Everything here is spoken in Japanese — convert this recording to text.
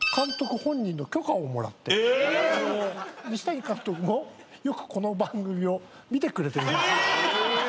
西谷監督もよくこの番組を見てくれてるらしい。